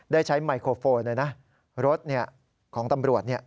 ได้ใช้ไมโครโฟนเลยนะรถของตำรวจเนี่ย